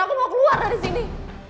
aku mau keluar dari sini